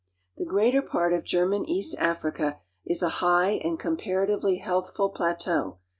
I The greater part of German East Africa is a high and 1 comparatively healthful plateau.